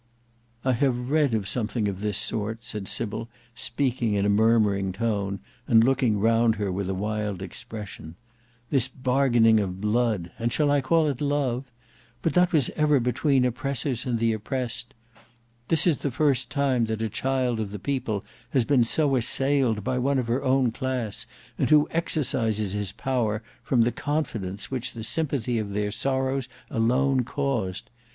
'" "I have read of something of this sort," said Sybil, speaking in a murmuring tone, and looking round her with a wild expression, "this bargaining of blood, and shall I call it love? But that was ever between the oppressors and the oppressed. This is the first time that a child of the people has been so assailed by one of her own class, and who exercises his power from the confidence which the sympathy of their sorrows alone caused.